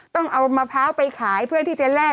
ต้องเอามะพร้าวไปขายเพื่อที่จะแลก